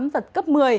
giật cấp một mươi